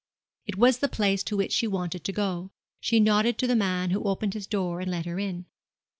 It was the place to which she wanted to go. She nodded to the man, who opened his door and let her in.